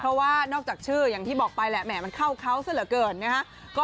เพราะว่านอกจากชื่ออย่างที่บอกไปแหละแหมมันเข้าเขาซะเหลือเกินนะฮะ